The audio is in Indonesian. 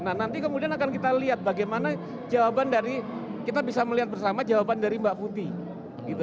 nah nanti kemudian akan kita lihat bagaimana jawaban dari kita bisa melihat bersama jawaban dari mbak putih gitu